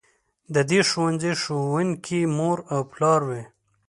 د دې ښوونځي ښوونکي مور او پلار وي.